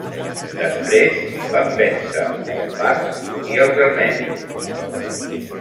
Després, van vèncer els parts i els armenis.